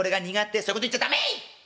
そういうこと言っちゃ駄目！